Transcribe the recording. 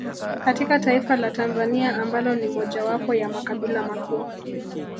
Katika taifa la Tanzania ambalo ni mojawapo ya makabila makuu